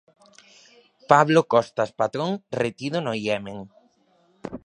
Pablo Costas Patrón retido no Iemen.